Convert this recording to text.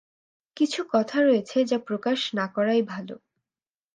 কিছু কথা রয়েছে যা প্রকাশ না করাই ভালো।